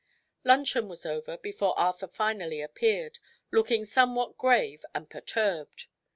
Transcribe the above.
Luncheon was over before Arthur finally appeared, looking somewhat grave and perturbed.